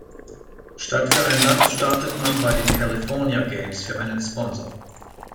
Statt für ein Land startet man bei den California Games für einen Sponsor.